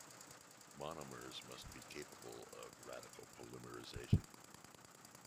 Monomers must be capable of radical polymerization.